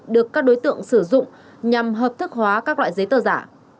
được các đối tượng sử dụng nhằm hợp thức hóa các loại giấy tờ giả